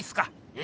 え？